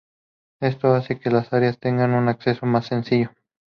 Esto hace que las áreas tengan un acceso más sencillo.